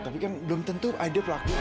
tapi kan belum tentu haida pelakunya